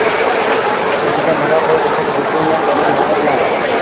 “Nega? Nima bo‘ldi televideniye xodimlari bilan